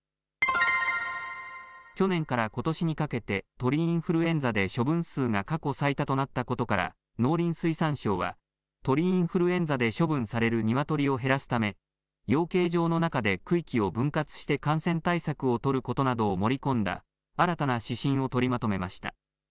去年からことしにかけて鳥インフルエンザで処分数が過去最多となったことから農林水産省は鳥インフルエンザで処分される鶏を減らすため養鶏場の中で区域を分割して感染対策を取ることなどを盛り込んだ新たな指針を取りまとめました。